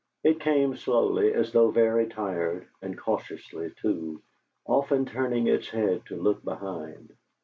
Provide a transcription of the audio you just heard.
It came slowly, as though very tired, and cautiously, too, often turning its head to look behind.